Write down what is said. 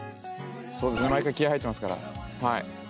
そうですね毎回気合い入ってますからはい。